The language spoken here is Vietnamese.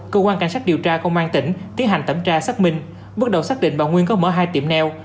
cơ quan cảnh sát điều tra công an tỉnh tiến hành tẩm tra xác minh bước đầu xác định bà nguyên có mở hai tiệm neo